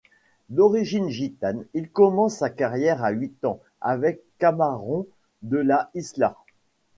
D'origine gitane, il commence sa carrière à huit ans avec Camarón de la Isla.